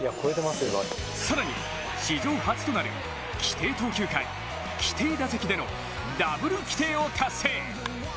更に、史上初となる規定投球回規定打席でのダブル規定を達成。